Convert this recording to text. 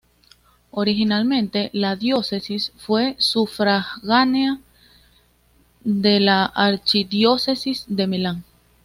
Originalmente, la diócesis fue sufragánea de la archidiócesis de Milán.